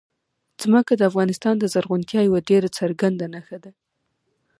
ځمکه د افغانستان د زرغونتیا یوه ډېره څرګنده نښه ده.